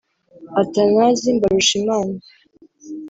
Athanase Mbarushimana